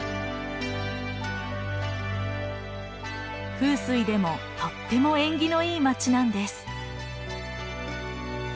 風水でもとっても縁起のいい町なんです。